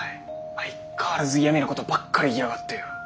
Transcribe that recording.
相変わらず嫌みなことばっかり言いやがってよ。